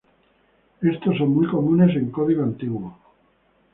Estos son muy comunes en código antiguo.